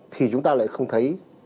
thì chúng ta lại không thấy